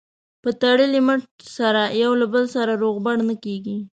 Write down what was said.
په تړلي مټ سره یو له بل سره روغبړ نه کېږي.